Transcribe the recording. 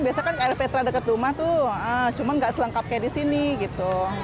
biasa kan kayak petra deket rumah tuh cuma nggak selengkap kayak di sini gitu